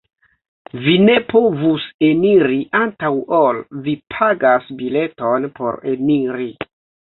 Vi ne povus eniri antaŭ ol vi pagas bileton por eniri.